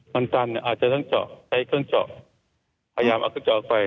วันจันทร์อาจจะต้องเจาะใช้เครื่องเจาะพยายามเอาเครื่องเจาะไฟ